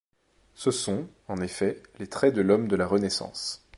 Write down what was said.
Ce sont, en effet, les traits de l’Homme de la Renaissance.